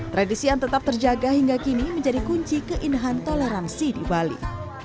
tradisi yang tetap terjaga hingga kini menjadi kunci keindahan toleransi di bali